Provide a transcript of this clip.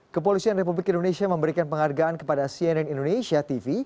kepolisian republik indonesia memberikan penghargaan kepada cnn indonesia tv